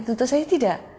tentu saja tidak